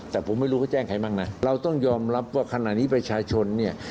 แต่ผมไม่รู้เขาแจ้งใครบ้างนะเราต้องยอมรับว่าขณะนี้ประชาชนเนี่ย